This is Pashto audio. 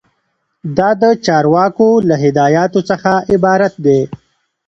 دا د چارواکو له هدایاتو څخه عبارت دی.